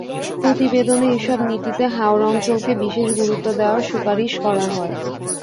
প্রতিবেদনে এসব নীতিতে হাওর অঞ্চলকে বিশেষ গুরুত্ব দেওয়ার সুপারিশ করা হয়।